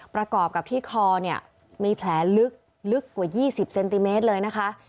ประกอบกับที่คอเนี่ยมีแผลลึกลึกกว่า๒๐เซนติเมตรเลยนะคะ